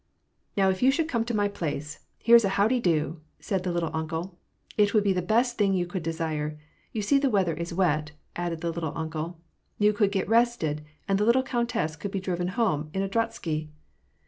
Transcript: "Now if you should come to my place — here's a how de do!" — said the "little uncle," "it would be the best thing you could desire : you see the weather is wet," added the "little uncle." "You could get rested; and the little countess can be driven home, in a drozhsky."